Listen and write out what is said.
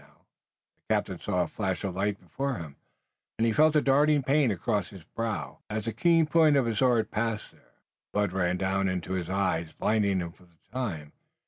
Now the captain saw a flash of light before him, and he felt a darting pain across his brow, as the keen point of the sword passed there. The blood ran down into his eyes, blinding him for the time.